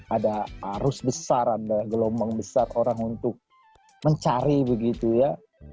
ada arus besar ada gelombang besar orang untuk mencari begitu ya